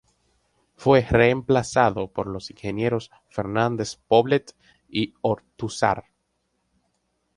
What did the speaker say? Fue reemplazado por los ingenieros Fernández Poblet y Ortúzar.